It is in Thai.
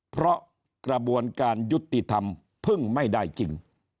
เพราะกระบวนการยุติธรรมพึ่งไม่ได้จริง